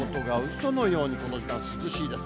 そのようにこの時間涼しいです。